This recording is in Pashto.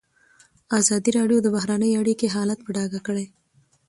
ازادي راډیو د بهرنۍ اړیکې حالت په ډاګه کړی.